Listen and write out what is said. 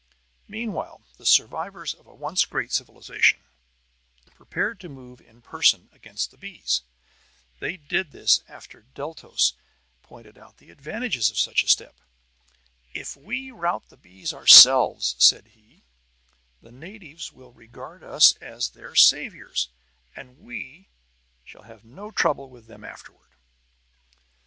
Meanwhile the survivors of a once great civilization prepared to move in person against the bees. They did this after Deltos had pointed out the advantages of such a step. "If we rout the bees ourselves," said he, "the natives will regard us as their saviors, and we shall have no trouble with them afterward."